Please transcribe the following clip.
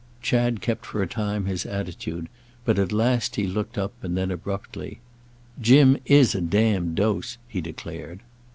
Chad kept for a time his attitude, but at last he looked up, and then abruptly, "Jim is a damned dose!" he declared.